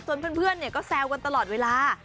เพื่อนก็แซวกันตลอดเวลา